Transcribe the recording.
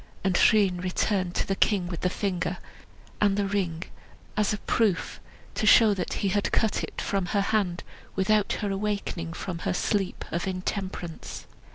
And Rhun returned to the king with the finger and the ring as a proof, to show that he had cut it off from her hand without her awaking from her sleep of intemperance.